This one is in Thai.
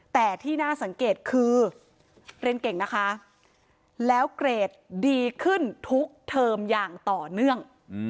แต่ที่น่าสังเกตคือเรียนเก่งนะคะแล้วเกรดดีขึ้นทุกเทอมอย่างต่อเนื่อง